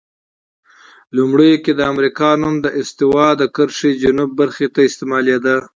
لومړیو کې د امریکا نوم د استوا د کرښې جنوب برخې ته استعمالیده.